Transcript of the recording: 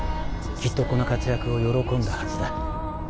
きっとこの活躍を喜んだはずだ